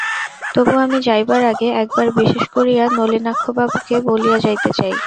তবু আমি যাইবার আগে একবার বিশেষ করিয়া নলিনাক্ষবাবুকে বলিয়া যাইতে চাই।